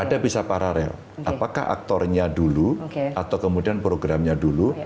ada bisa paralel apakah aktornya dulu atau kemudian programnya dulu